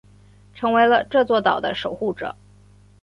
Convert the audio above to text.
成为了这座岛的守护者。